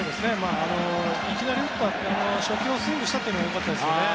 いきなり初球をスイングしたのが良かったですね。